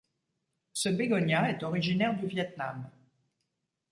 Ce bégonia est originaire du Viêt Nam.